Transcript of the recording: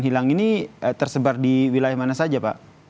hilang ini tersebar di wilayah mana saja pak